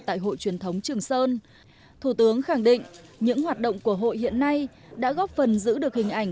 tại hội truyền thống trường sơn thủ tướng khẳng định những hoạt động của hội hiện nay đã góp phần giữ được hình ảnh